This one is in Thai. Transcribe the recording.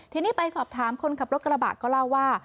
ทีนี้ไปสอบถามคนขับรถกระบะก็เล่าว่า